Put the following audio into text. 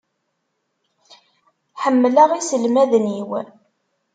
Ḥemmleɣ iselmaden-iw.